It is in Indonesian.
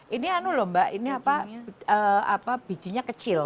ini anu loh mbak ini apa bijinya kecil